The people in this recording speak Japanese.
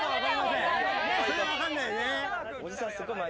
それは分かんないよね。